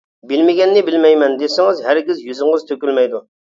بىلمىگەننى بىلمەيمەن، دېسىڭىز ھەرگىز يۈزىڭىز تۆكۈلمەيدۇ.